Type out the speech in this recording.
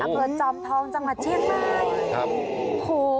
อำเภอจอมทองจังหวัดเชียงใหม่